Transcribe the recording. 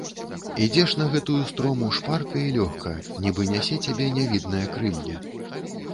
Ідзеш на гэтую строму шпарка і лёгка, нібы нясе цябе нявіднае крылле.